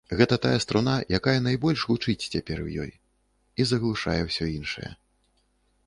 Гэта тая струна, якая найбольш гучыць цяпер у ёй і заглушае ўсё іншае.